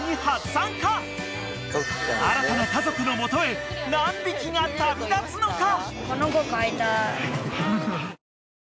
［新たな家族の元へ何匹が旅立つのか］